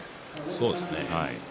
そうですね。